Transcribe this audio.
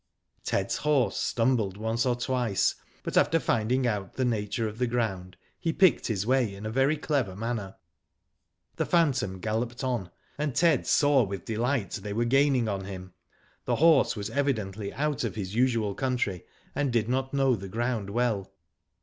Ted's horse stumbled once or twice, but after finding out the nature of the ground, he picked his way in a very clever manner. The phantom galloped on, and Ted saw with delight they were gaining on him. The horse was evidently out of his usual country, and did not know the ground well.